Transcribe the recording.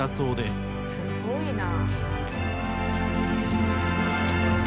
すごいな。